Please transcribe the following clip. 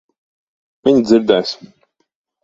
Viņa dzirdēs.